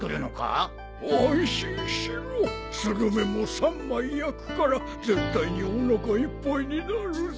安心しろスルメも３枚焼くから絶対におなかいっぱいになるぞ。